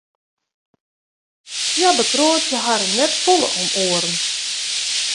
Hja bekroadzje harren net folle om oaren.